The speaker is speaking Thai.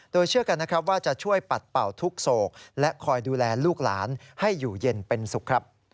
โดยเชื่อกันนะครับว่าจะช่วยปัดเป่าทุกโศกและคอยดูแลลูกหลานให้อยู่เย็นเป็นสุขครับ